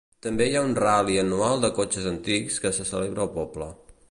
També hi ha un ral·li anual de cotxes antics que se celebra al poble.